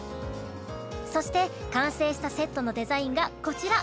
そして、完成したセットのデザインがこちら。